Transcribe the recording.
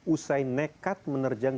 usai nekat menerjang